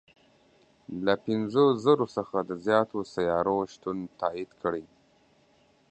له پنځه زرو څخه د زیاتو سیارو شتون تایید کړی.